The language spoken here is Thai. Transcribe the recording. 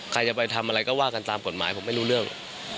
ใครจะไปทำอะไรก็ว่ากันตามกฎหมายผมไม่รู้เรื่อง